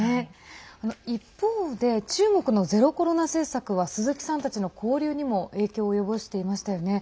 一方で中国のゼロコロナ政策は鈴木さんたちの交流にも影響を及ぼしていましたよね。